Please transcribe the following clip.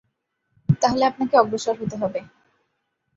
তাহলে আপনাকে অগ্রসর হতে হবে।